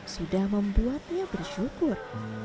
sudah membuatnya bersyukur